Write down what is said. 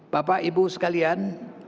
bapak ibu sekalian